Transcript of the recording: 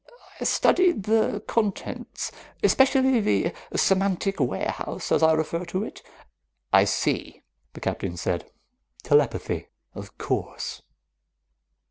"I studied the contents, especially the semantic warehouse, as I refer to it " "I see," the Captain said. "Telepathy. Of course."